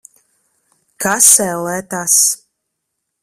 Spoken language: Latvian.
Kas, ellē, tas?